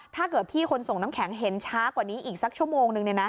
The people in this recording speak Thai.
ถ้าเกิดพี่คนส่งน้ำแข็งเห็นช้ากว่านี้อีกสักชั่วโมงนึง